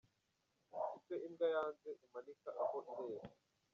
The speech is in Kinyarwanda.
Icyo imbwa yanze umanika aho ireba.